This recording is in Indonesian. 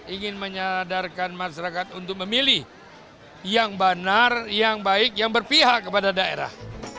ingin menyadarkan masyarakat untuk memilih yang banar yang baik yang berpihak kepada daerah